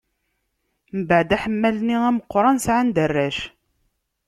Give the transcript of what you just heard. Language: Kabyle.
Mbeɛd aḥemmal-nni ameqran, sɛan-d arrac.